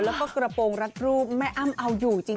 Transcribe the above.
แล้วก็กระโปรงรัดรูปแม่อ้ำเอาอยู่จริง